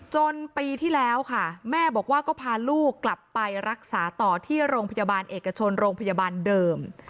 จนปีที่แล้วค่ะแม่บอกว่าก็พาลูกกลับไปรักษาต่อที่โรงพยาบาลเอกชนโรงพยาบาลเดิม